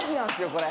これ。